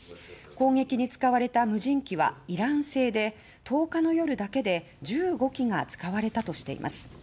攻撃に使われた無人機はイラン製で１０日の夜だけで１５機が使われたとしています。